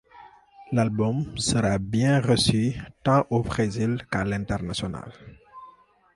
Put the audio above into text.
L'album sera bien reçu tant au Brésil qu'à l'international.